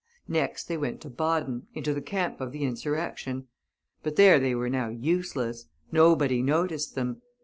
Next they went to Baden, into the camp of the insurrection; but there they were now useless. Nobody noticed them.